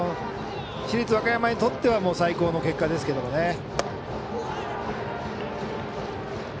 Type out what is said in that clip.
市立和歌山にとっては最高の結果ですけどね。